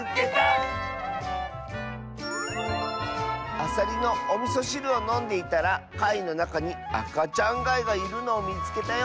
「アサリのおみそしるをのんでいたらかいのなかにあかちゃんがいがいるのをみつけたよ」。